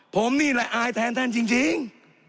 ผมนี่แหละอายแทนท่านจริง